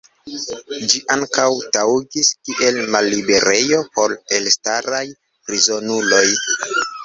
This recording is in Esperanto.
Ĝi ankaŭ taŭgis kiel malliberejo por elstaraj prizonuloj.